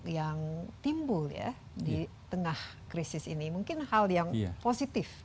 yang timbul ya di tengah krisis ini mungkin hal yang positif